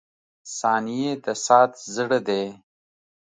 • ثانیې د ساعت زړه دی.